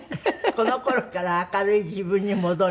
この頃から明るい自分に戻れた。